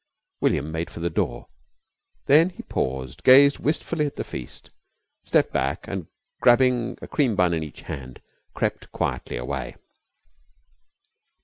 William made for the door, then he paused, gazed wistfully at the feast, stepped back, and, grabbing a cream bun in each hand, crept quietly away.